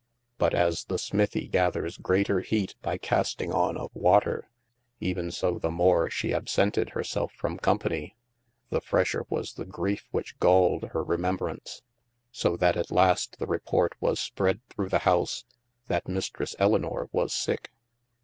But as the smithie gathers greater heate by casting on of water, even so the more she absented hir self from company, the fresher was the griefe whiche galded hir remembrance : so that at laste the report was spredde thorough the house, that Mistresse Elinor was sicke.